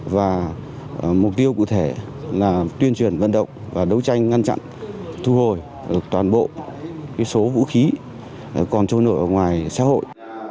và mục tiêu cụ thể là tuyên truyền vận động và đấu tranh ngăn chặn thu hồi toàn bộ số vũ khí còn trôi nổi ở ngoài xã hội